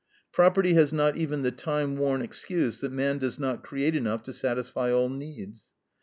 Property has not even the time worn excuse that man does not create enough to satisfy all needs.